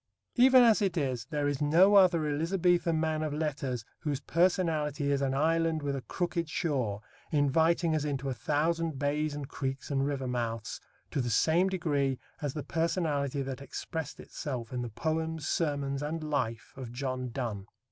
Even as it is, there is no other Elizabethan man of letters whose personality is an island with a crooked shore, inviting us into a thousand bays and creeks and river mouths, to the same degree as the personality that expressed itself in the poems, sermons, and life of John Donne.